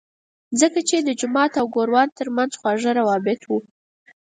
ځکه چې د جومات او ګوروان ترمنځ خواږه روابط وو.